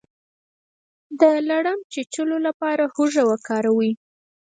د لړم د چیچلو لپاره هوږه وکاروئ